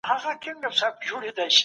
دولت او سياست سره نه شلېدونکي اړيکي لري.